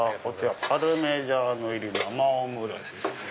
パルミジャーノ入り生オムライスです。